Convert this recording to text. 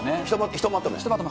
ひとまとめです。